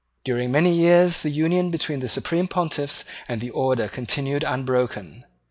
During many years the union between the Supreme Pontiffs and the Order had continued unbroken.